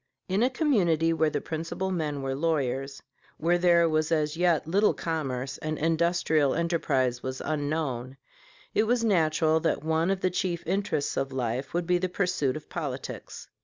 ] In a community where the principal men were lawyers, where there was as yet little commerce, and industrial enterprise was unknown, it was natural that one of the chief interests of life should be the pursuit of politics.